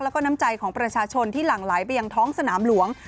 แล้วก็น้ำใจของประชาชนที่หลั่งไหลไปยังท้องสนามหลวง